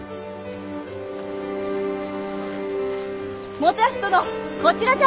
元康殿こちらじゃ！